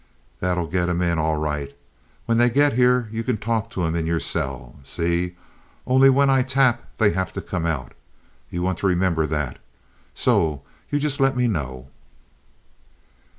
That'll get 'em in all right. When they get here you can talk to 'em in your cell. See! Only when I tap they have to come out. You want to remember that. So just you let me know."